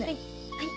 はい。